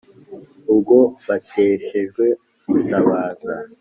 ubwo bateshejwe gutabaza